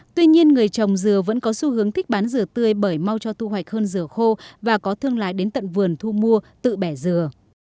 tuy nhiên người trồng dừa vẫn có xu hướng thích bán dừa tươi bởi mau cho thu hoạch hơn dừa khô và có thương lái đến tận vườn thu mua tự bẻ dừa